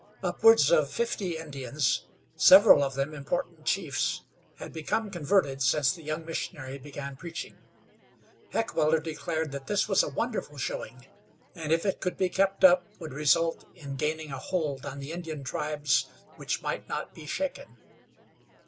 Upwards of fifty Indians, several of them important chiefs, had become converted since the young missionary began preaching. Heckewelder declared that this was a wonderful showing, and if it could be kept up would result in gaining a hold on the Indian tribes which might not be shaken.